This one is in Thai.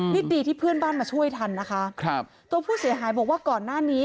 นี่ดีที่เพื่อนบ้านมาช่วยทันนะคะครับตัวผู้เสียหายบอกว่าก่อนหน้านี้